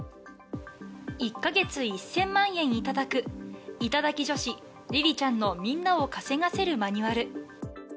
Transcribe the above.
１か月１０００万円頂く、頂き女子りりちゃんのみんなを稼がせるマニュアル。